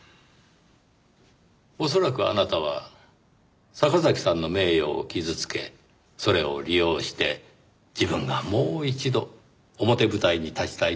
恐らくあなたは坂崎さんの名誉を傷つけそれを利用して自分がもう一度表舞台に立ちたいと思った。